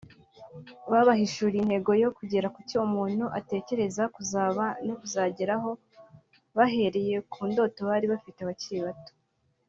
babahishurira intego yo kugera kucyo umuntu atekereza kuzaba no kuzageraho bahereye ku ndoto bari bafite bakiri bato